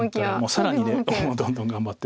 更にどんどん頑張って。